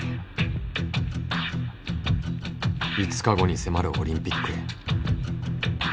５日後に迫るオリンピックへ。